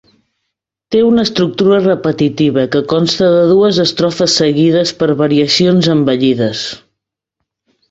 Té una estructura repetitiva que consta de dues estrofes seguides per variacions embellides.